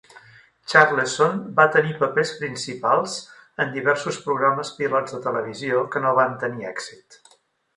Charleson va tenir papers principals en diversos programes pilot de televisió que no van tenir èxit.